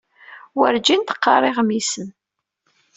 Werǧin teqqar iɣmisen.